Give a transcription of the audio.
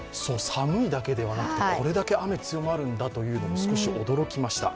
寒いだけではなくてこれだけ雨が強まるんだというの、少し驚きました。